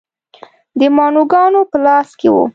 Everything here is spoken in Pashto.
د ماڼوګانو په لاس کې و.